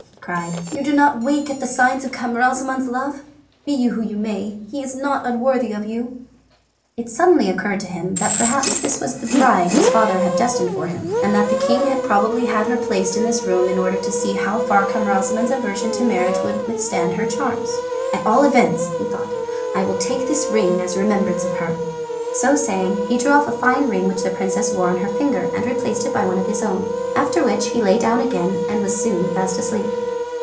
he cried, "you do not wake at the signs of Camaralzaman's love? Be you who you may, he is not unworthy of you." It then suddenly occurred to him, that perhaps this was the bride his father had destined for him, and that the King had probably had her placed in this room in order to see how far Camaralzaman's aversion to marriage would withstand her charms. "At all events," he thought, "I will take this ring as a remembrance of her." So saying he drew off a fine ring which the princess wore on her finger, and replaced it by one of his own. After which he lay down again and was soon fast asleep.